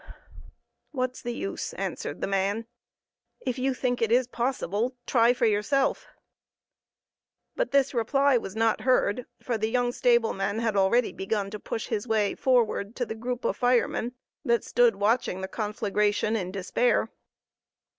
"What's the use?" answered the man. "If you think it possible, better try for yourself." But this reply was not heard, for the young stableman had already begun to push his way forward to the group of firemen that stood watching the conflagration in despair.